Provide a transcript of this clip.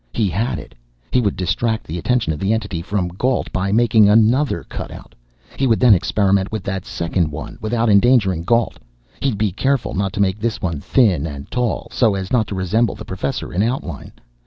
He had it! He would distract the attention of the Entity from Gault by making another cutout. He would then experiment with that second one, without endangering Gault. He'd be careful not to make this one thin and tall, so as not to resemble the Professor in outline.